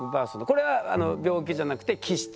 これは病気じゃなくて気質。